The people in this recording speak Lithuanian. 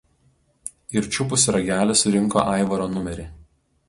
ir čiupusi ragelį surinko aivaro numerį